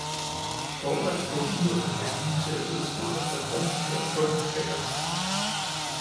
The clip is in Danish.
Hvor er åbenheden henne til at vedstå, at reformer gør ondt af og til?